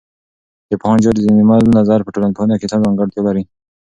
د پوهاند جورج زیمل نظر په ټولنپوهنه کې څه ځانګړتیا لري؟